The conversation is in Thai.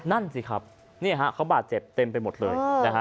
นั่นสิครับนี่ฮะเขาบาดเจ็บเต็มไปหมดเลยนะฮะ